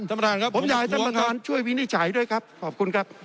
ผมอยากให้ท่านประธานช่วยวินิจฉัยด้วยครับขอบคุณครับ